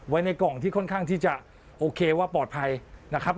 ในกล่องที่ค่อนข้างที่จะโอเคว่าปลอดภัยนะครับ